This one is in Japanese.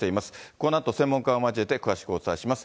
このあと、専門家を交えて詳しくお伝えします。